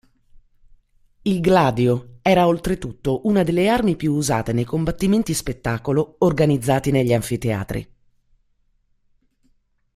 Il gladio era oltretutto una delle armi più usate nei combattimenti-spettacolo organizzati negli anfiteatri.